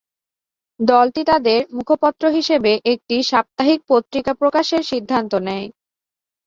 দলটি তাদের মুখপত্র হিসেবে একটি সাপ্তাহিক পত্রিকা প্রকাশের সিদ্ধান্ত নেয়।